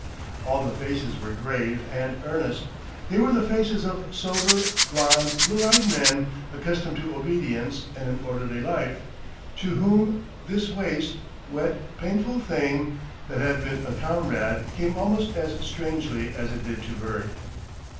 All the faces were grave and earnest: they were the faces of sober, blond, blue eyed men accustomed to obedience and an orderly life, to whom this waste, wet, painful thing that had been a comrade came almost as strangely as it did to Bert.